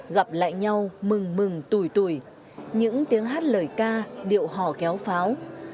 gặp lại nhau mừng mừng tuổi tuổi những tiếng hát lời ca điệu hò kéo pháo